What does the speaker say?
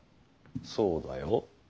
そうだよ。